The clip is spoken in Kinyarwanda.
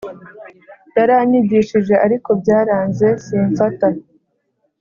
Yaranyigishije ariko byaranze simfata